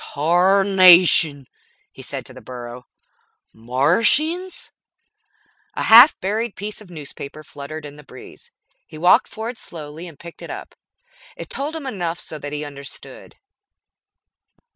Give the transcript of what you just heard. "Tarnation!" he said to the burro. "Martians?" A half buried piece of newspaper fluttered in the breeze. He walked forward slowly and picked it up. It told him enough so that he understood.